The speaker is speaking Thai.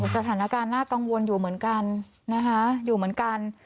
สถานการณ์น่ากังวลอยู่เหมือนกันนะคะอยู่เหมือนกัน